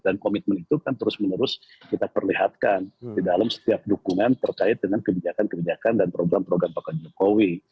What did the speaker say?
dan komitmen itu kan terus menerus kita perlihatkan di dalam setiap dukungan terkait dengan kebijakan kebijakan dan program program pak jokowi